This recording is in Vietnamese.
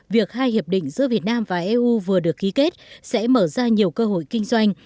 việc hai hiệp định giữa việt nam và eu vừa được ký kết sẽ mở ra nhiều cơ hội kinh doanh